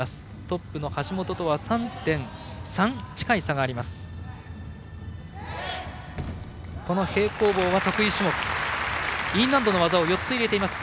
トップの橋本とは３．３近い差があります。